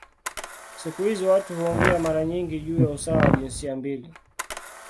Siku hizi watu huongea mara nyingi juu ya usawa wa jinsia mbili.